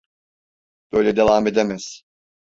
Böyle devam edemez.